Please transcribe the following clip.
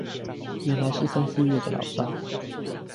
原來是三四月的老招